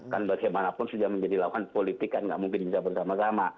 kan bagaimanapun sudah menjadi lawan politik kan nggak mungkin bisa bersama sama